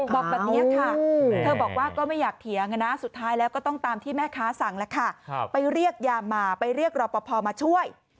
บอกแบบนี้ค่ะเธอบอกว่าก็ไม่อยากเถียงนะสุดท้ายแล้วก็ต้องตามที่แม่ค้าสั่งแล้วค่ะไปเรียกยามาไปเรียกรอปภมาช่วย